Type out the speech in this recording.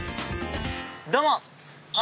どうも。